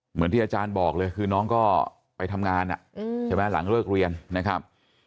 เหมือนที่อาจารย์บอกเลยคือน้องก็ไปทำงานใช่ไหมหลังเลิกเรียนนะครับ